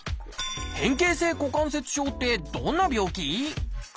変形性股関節症ってどんな病気？